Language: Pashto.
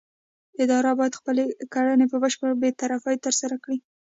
اداره باید خپلې کړنې په بشپړه بې طرفۍ ترسره کړي.